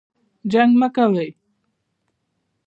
جنګ مه کوئ